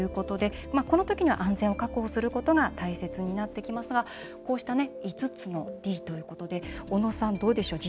このとき、安全を確保することが大切になってきますがこうした５つのＤということでおのさん、どうでしょう。